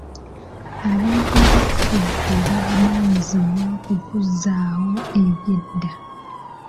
Abantu abakulu be bavunaanyizibwa ku kuzzaawo ebyedda.